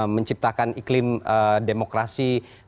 menciptakan iklim demokrasi